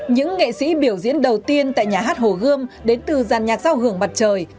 những nghệ sĩ biểu diễn đầu tiên tại nhà hát hồ gươm đến từ giàn nhạc giao hưởng mặt trời